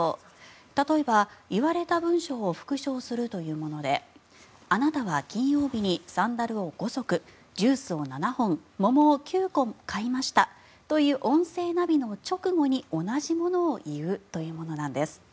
例えば言われた文章を復唱するというものであなたは金曜日にサンダルを５足ジュースを７本桃を９個買いましたという音声ナビの直後に同じものを言うというものなんです。